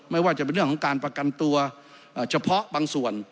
ไม่ว่าจะเป็นเรื่องของการประกันตัวเฉพาะบางส่วน